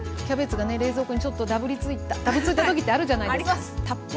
キャベツがね冷蔵庫にちょっとだぶついた時ってあるじゃないですか。